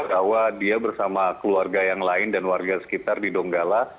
bahwa dia bersama keluarga yang lain dan warga sekitar di donggala